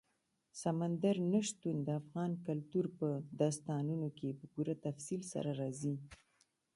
سمندر نه شتون د افغان کلتور په داستانونو کې په پوره تفصیل سره راځي.